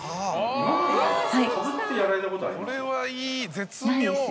これはいい絶妙。